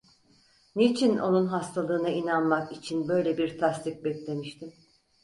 Niçin onun hastalığına inanmak için böyle bir tasdik beklemiştim?